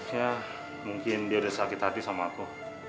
ya mungkin dia udah sakit hati sama aku